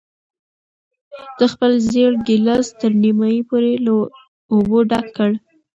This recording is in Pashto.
ده خپل زېړ ګیلاس تر نیمايي پورې له اوبو ډک کړ.